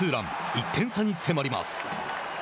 １点差に迫ります。